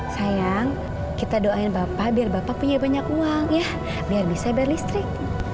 sayang kita doain bapak biar bapak punya banyak uang ya biar bisa biar listrik